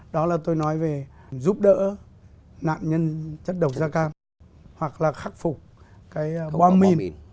đó là tôi nói về giúp đỡ nạn nhân chất độc da cam hoặc là khắc phục cái bom mìn